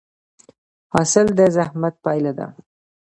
حاصل د زحمت پایله ده؟